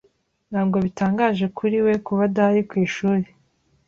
Ntabwo bitangaje kuri we kuba adahari ku ishuri.